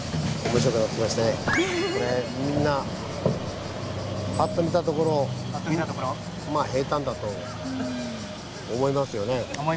これみんなパッと見たところ思いますよね。